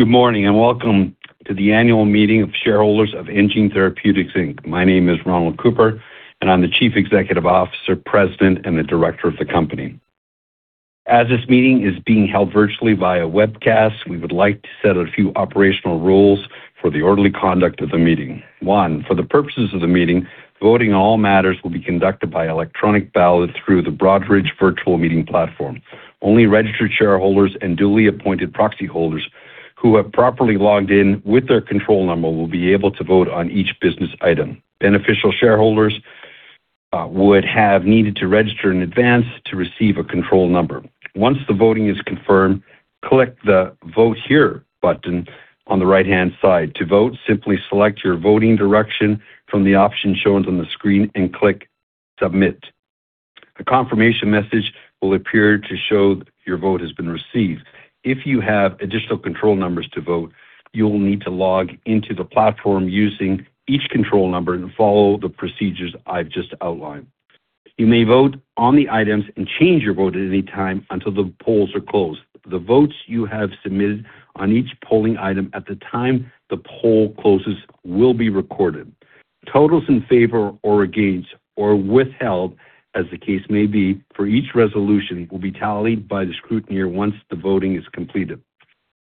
Good morning, and welcome to the annual meeting of shareholders of enGene Therapeutics Inc. My name is Ronald Cooper, and I'm the Chief Executive Officer, President, and the Director of the company. As this meeting is being held virtually via webcast, we would like to set a few operational rules for the orderly conduct of the meeting. One, for the purposes of the meeting, voting on all matters will be conducted by electronic ballot through the Broadridge virtual meeting platform. Only registered shareholders and duly appointed proxy holders who have properly logged in with their control number will be able to vote on each business item. Beneficial shareholders would have needed to register in advance to receive a control number. Once the voting is confirmed, click the vote here button on the right-hand side. To vote, simply select your voting direction from the options shown on the screen and click submit. A confirmation message will appear to show your vote has been received. If you have additional control numbers to vote, you will need to log into the platform using each control number and follow the procedures I've just outlined. You may vote on the items and change your vote at any time until the polls are closed. The votes you have submitted on each polling item at the time the poll closes will be recorded. Totals in favor or against or withheld, as the case may be, for each resolution will be tallied by the scrutineer once the voting is completed.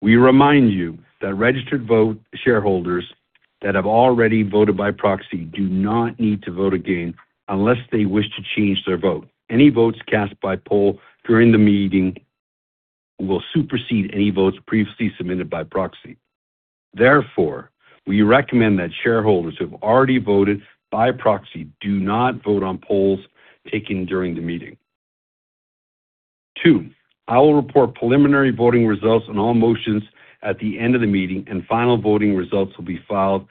We remind you that registered shareholders that have already voted by proxy do not need to vote again unless they wish to change their vote. Any votes cast by poll during the meeting will supersede any votes previously submitted by proxy. Therefore, we recommend that shareholders who have already voted by proxy do not vote on polls taken during the meeting. Two, I will report preliminary voting results on all motions at the end of the meeting, and final voting results will be filed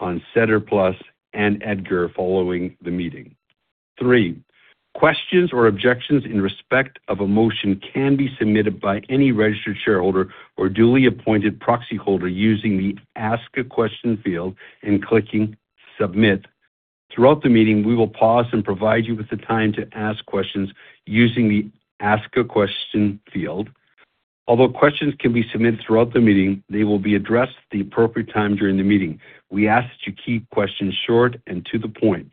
on SEDAR+ and EDGAR following the meeting. Three, questions or objections in respect of a motion can be submitted by any registered shareholder or duly appointed proxy holder using the ask a question field and clicking submit. Throughout the meeting, we will pause and provide you with the time to ask questions using the ask a question field. Although questions can be submitted throughout the meeting, they will be addressed at the appropriate time during the meeting. We ask that you keep questions short and to the point.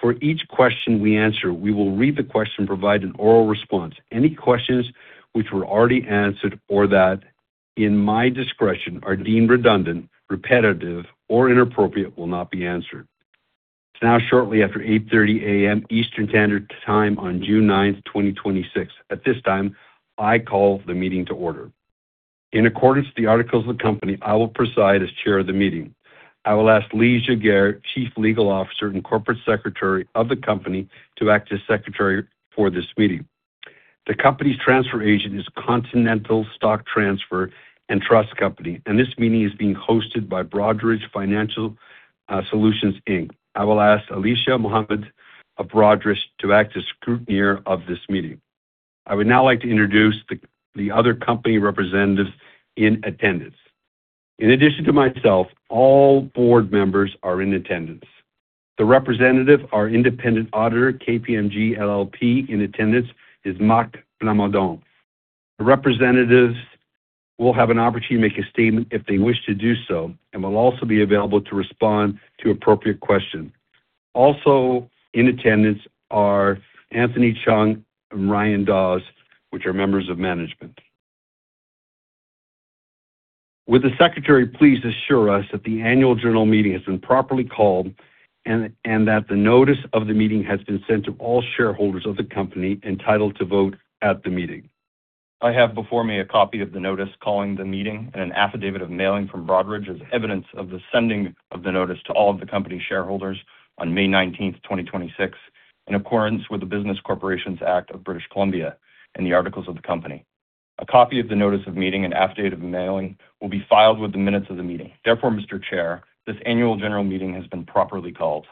For each question we answer, we will read the question and provide an oral response. Any questions which were already answered or that, in my discretion, are deemed redundant, repetitive, or inappropriate will not be answered. It's now shortly after 8:30 A.M. Eastern Standard Time on June 9th, 2026. At this time, I call the meeting to order. In accordance with the articles of the company, I will preside as Chair of the meeting. I will ask Lee Giguere, Chief Legal Officer and Corporate Secretary of the company, to act as secretary for this meeting. The company's transfer agent is Continental Stock Transfer & Trust Company, and this meeting is being hosted by Broadridge Financial Solutions, Inc. I will ask Alicia Mohammed of Broadridge to act as scrutineer of this meeting. I would now like to introduce the other company representatives in attendance. In addition to myself, all board members are in attendance. The representative, our independent auditor, KPMG LLP, in attendance is Marc Plamondon. The representatives will have an opportunity to make a statement if they wish to do so and will also be available to respond to appropriate questions. Also in attendance are Anthony Cheung and Ryan Daws, which are members of management. Would the secretary please assure us that the annual general meeting has been properly called and that the notice of the meeting has been sent to all shareholders of the company entitled to vote at the meeting? I have before me a copy of the notice calling the meeting and an affidavit of mailing from Broadridge as evidence of the sending of the notice to all of the company shareholders on May 19th, 2026, in accordance with the Business Corporations Act of British Columbia and the articles of the company. A copy of the notice of meeting and affidavit of mailing will be filed with the minutes of the meeting. Mr. Chair, this annual general meeting has been properly called.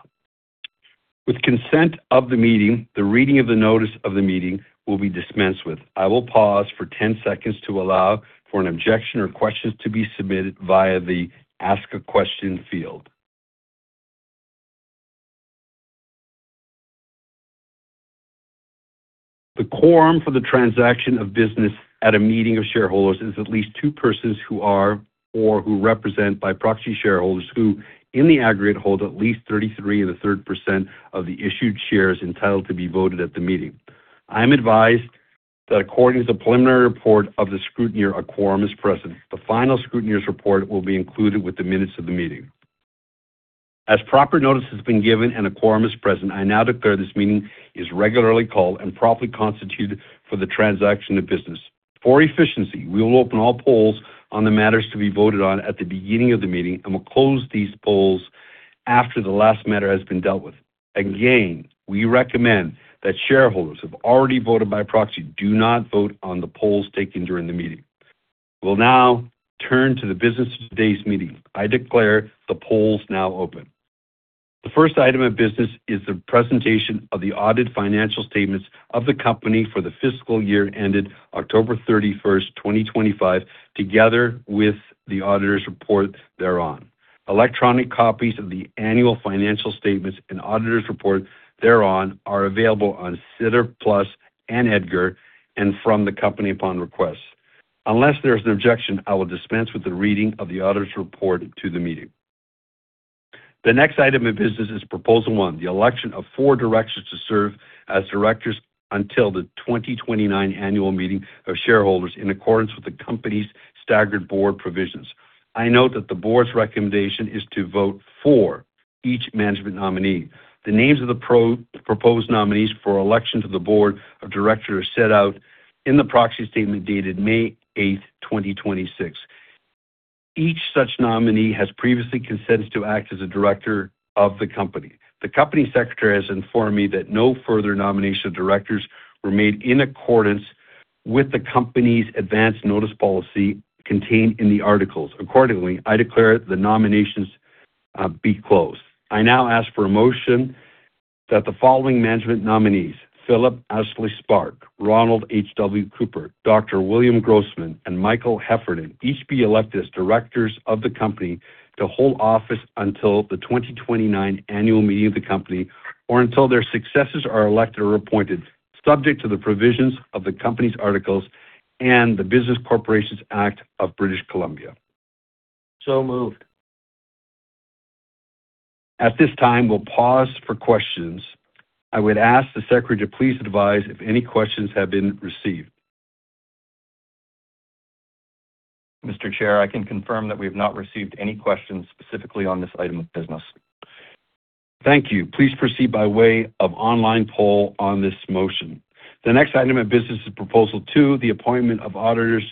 With consent of the meeting, the reading of the notice of the meeting will be dispensed with. I will pause for 10 seconds to allow for an objection or questions to be submitted via the ask a question field. The quorum for the transaction of business at a meeting of shareholders is at least two persons who are or who represent by proxy shareholders who, in the aggregate, hold at least 33 1/3% of the issued shares entitled to be voted at the meeting. I am advised that according to the preliminary report of the scrutineer, a quorum is present. The final scrutineer's report will be included with the minutes of the meeting. As proper notice has been given and a quorum is present, I now declare this meeting is regularly called and properly constituted for the transaction of business. For efficiency, we will open all polls on the matters to be voted on at the beginning of the meeting, and we'll close these polls after the last matter has been dealt with. Again, we recommend that shareholders who have already voted by proxy do not vote on the polls taken during the meeting. We'll now turn to the business of today's meeting. I declare the polls now open. The first item of business is the presentation of the audited financial statements of the company for the fiscal year ended October 31st, 2025, together with the auditor's report thereon. Electronic copies of the annual financial statements and auditor’s report thereon are available on SEDAR+ and EDGAR, and from the company upon request. Unless there’s an objection, I will dispense with the reading of the auditor’s report to the meeting. The next item of business is Proposal 1: the election of four directors to serve as directors until the 2029 annual meeting of shareholders in accordance with the company’s staggered board provisions. I note that the board’s recommendation is to vote for each management nominee. The names of the proposed nominees for election to the board of directors are set out in the proxy statement dated May 8th, 2026. Each such nominee has previously consented to act as a director of the company. The company secretary has informed me that no further nomination of directors were made in accordance with the company’s advance notice policy contained in the articles. Accordingly, I declare the nominations be closed. I now ask for a motion that the following management nominees, Philip Astley-Sparke, Ronald H.W. Cooper, Dr. William Grossman, and Michael Heffernan, each be elected as directors of the company to hold office until the 2029 annual meeting of the company, or until their successors are elected or appointed, subject to the provisions of the company’s articles and the Business Corporations Act of British Columbia. Moved. At this time, we’ll pause for questions. I would ask the secretary to please advise if any questions have been received. Mr. Chair, I can confirm that we have not received any questions specifically on this item of business. Thank you. Please proceed by way of online poll on this motion. The next item of business is Proposal 2: the appointment of auditors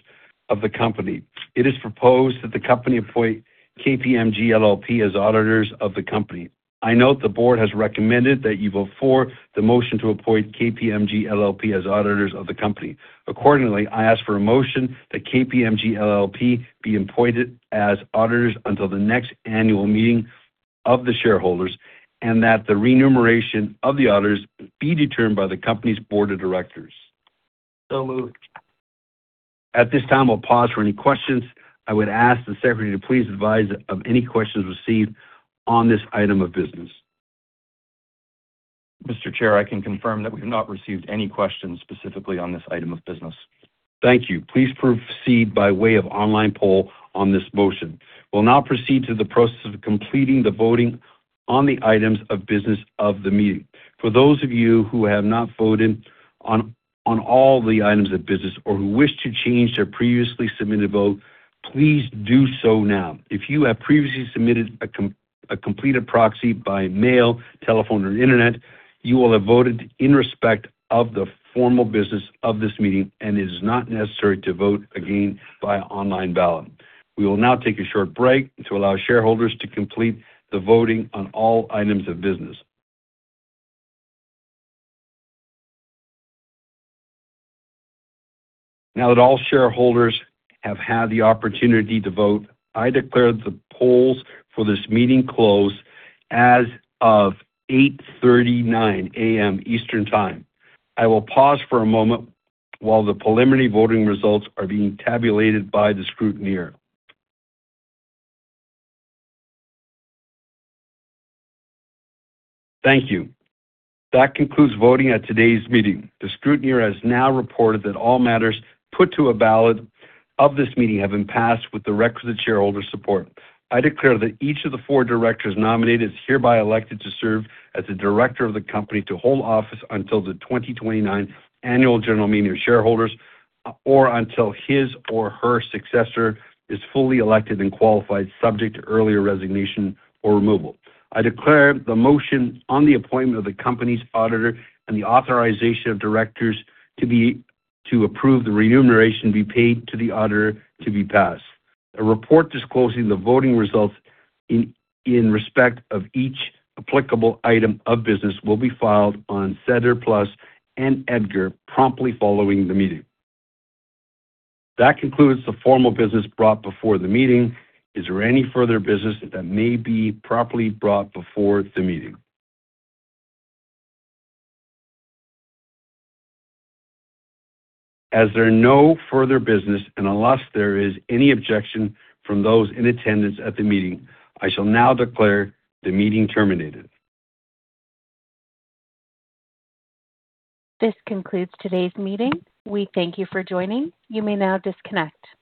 of the company. It is proposed that the company appoint KPMG LLP as auditors of the company. I note the board has recommended that you vote for the motion to appoint KPMG LLP as auditors of the company. Accordingly, I ask for a motion that KPMG LLP be appointed as auditors until the next annual meeting of the shareholders, and that the remuneration of the auditors be determined by the company’s board of directors. So moved. At this time, we’ll pause for any questions. I would ask the secretary to please advise of any questions received on this item of business. Mr. Chair, I can confirm that we have not received any questions specifically on this item of business. Thank you. Please proceed by way of online poll on this motion. We’ll now proceed to the process of completing the voting on the items of business of the meeting. For those of you who have not voted on all the items of business or who wish to change their previously submitted vote, please do so now. If you have previously submitted a completed proxy by mail, telephone, or internet, you will have voted in respect of the formal business of this meeting and it is not necessary to vote again by online ballot. We will now take a short break to allow shareholders to complete the voting on all items of business. Now that all shareholders have had the opportunity to vote, I declare the polls for this meeting closed as of 8:39 A.M. Eastern Time. I will pause for a moment while the preliminary voting results are being tabulated by the scrutineer. Thank you. That concludes voting at today’s meeting. The scrutineer has now reported that all matters put to a ballot of this meeting have been passed with the requisite shareholder support. I declare that each of the four directors nominated is hereby elected to serve as a director of the company to hold office until the 2029 annual general meeting of shareholders, or until his or her successor is fully elected and qualified, subject to earlier resignation or removal. I declare the motion on the appointment of the company’s auditor and the authorization of directors to approve the remuneration be paid to the auditor to be passed. A report disclosing the voting results in respect of each applicable item of business will be filed on SEDAR+ and EDGAR promptly following the meeting. That concludes the formal business brought before the meeting. Is there any further business that may be properly brought before the meeting? There are no further business, and unless there is any objection from those in attendance at the meeting, I shall now declare the meeting terminated. This concludes today’s meeting. We thank you for joining. You may now disconnect.